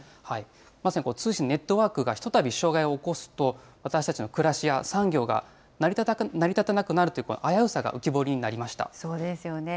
まさに通信ネットワークがひとたび障害を起こすと、私たちの暮らしや産業が成り立たなくなるという危うさが浮き彫りそうですよね。